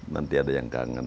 nanti ada yang kangen